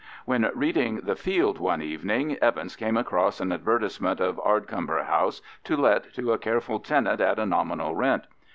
When reading the 'Field' one evening, Evans came across an advertisement of Ardcumber House to let to a careful tenant at a nominal rent.